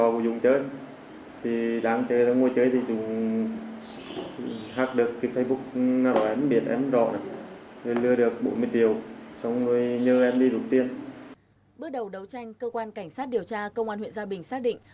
bước đầu đấu tranh cơ quan cảnh sát điều tra công an huyện gia bình xác định